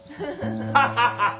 ハハハハ！